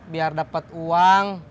biar dapet uang